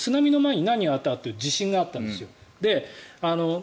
だけど津波の前に何があったかというと地震があったんです。